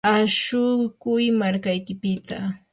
ashukuy markaykipita.